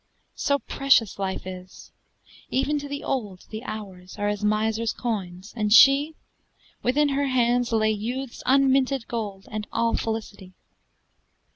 So precious life is! Even to the old The hours are as a miser's coins, and she Within her hands lay youth's unminted gold And all felicity.